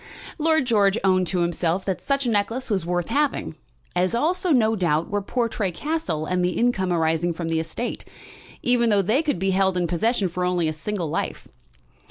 Lord George owned to himself that such a necklace was worth having, as also, no doubt, were Portray Castle and the income arising from the estate, even though they could be held in possession only for a single life.